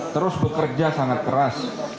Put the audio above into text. terus bekerja sangat keras